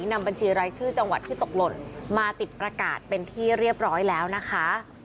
นำบัญชีรายชื่อจังหวัดที่ตกหล่นมาติดประกาศเป็นที่เรียบร้อยแล้วนะคะ